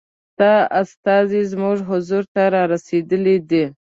ستا استازی زموږ حضور ته را رسېدلی دی.